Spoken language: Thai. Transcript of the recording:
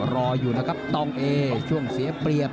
รออยู่นะครับต้องเอช่วงเสียเปรียบ